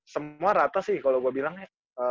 semua rata sih kalo gua bilang ya